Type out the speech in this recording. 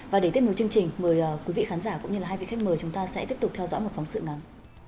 và để tiếp nối chương trình mời quý vị khán giả cũng như hai vị khách mời chúng ta sẽ tiếp tục theo dõi một phóng sự ngắn